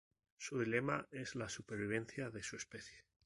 Su dilema es la supervivencia de su especie.